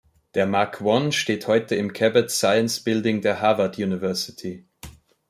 Der "Mark I" steht heute im Cabot Science Building der Harvard University.